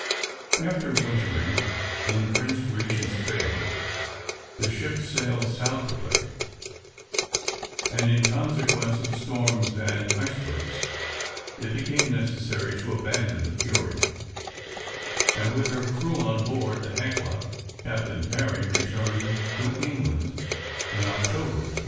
After wintering in Prince Regent's Bay, the ships sailed southwardly, and, in consequence of storms and icebergs, it became necessary to abandon the Fury, and with her crew on board the Hecla, Captain Parry returned to England in October 1825.